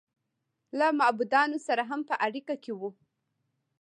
له معبودانو سره هم په اړیکه کې و.